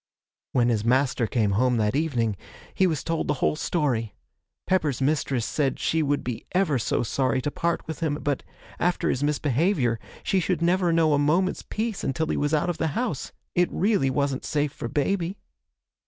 'When his master came home that evening he was told the whole story. Pepper's mistress said she would be ever so sorry to part with him, but, after his misbehaviour, she should never know a moment's peace until he was out of the house it really wasn't safe for baby!